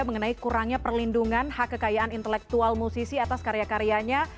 mengenai kurangnya perlindungan hak kekayaan intelektual musisi atas karya karyanya